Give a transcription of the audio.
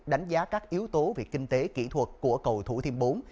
đánh giá các yếu tố về kinh tế kỹ thuật của cầu thủ thiêm bốn